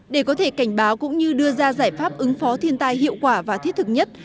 để có thể cảnh báo cũng như đưa ra giải pháp ứng phó thiên tai hiệu quả và thiết thực nhất